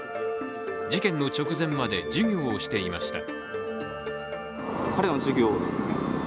事件の直前まで授業をしていました。